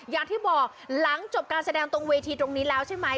อย่างที่บอกหลังจบการแสดงตรงเวทีตรงนี้แล้วใช่ไหม